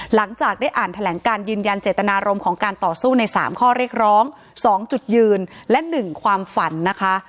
หลังจากได้อ่านแถลงการยืนยันเจตนารมณ์ของการต่อสู้ใน๓ข้อเรียกร้อง๒จุดยืนและ๑ความฝันนะคะ